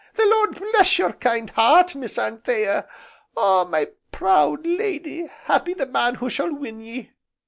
the Lord bless your kind heart, Miss Anthea! Ah, my proud lady, happy the man who shall win ye!